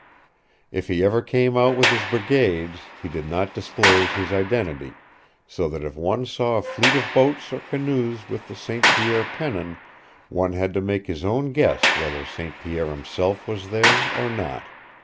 If he ever came out with his brigades, he did not disclose his identity, so that if one saw a fleet of boats or canoes with the St. Pierre pennon, one had to make his own guess whether St. Pierre himself was there or not.